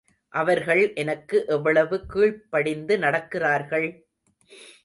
அவர்கள் எனக்கு எவ்வளவு கீழ்ப்படிந்து நடக்கிறார்கள்?